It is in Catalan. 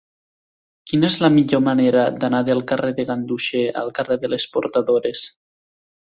Quina és la millor manera d'anar del carrer de Ganduxer al carrer de les Portadores?